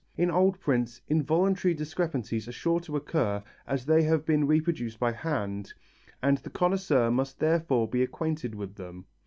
In old prints involuntary discrepancies are sure to occur as they have been reproduced by hand, and the connoisseur must therefore be acquainted with them.